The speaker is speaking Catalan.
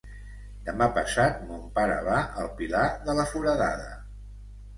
Demà passat mon pare va al Pilar de la Foradada.